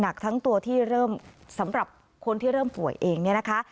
หนักทั้งตัวที่เริ่มสำหรับคนที่เริ่มป่วยเอง